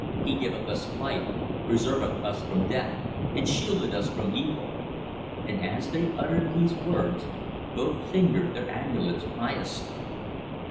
"He giveth us life, preserveth us from death, and shieldeth us from evil." And as they uttered these words both fingered their amulets piously.